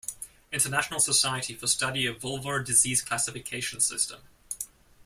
International Society for Study of Vulvar Disease classification system.